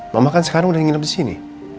mama kan sekarang udah nginap disini